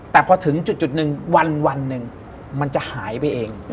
แต่พอถึงจุดหนึ่งวันหนึ่งมันจะหายไปเอง